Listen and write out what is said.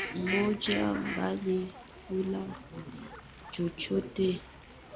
mmoja bila kula chochote Mmea unaotembea Mbali